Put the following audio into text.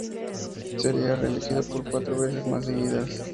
Sería reelegido por cuatro veces más seguidas.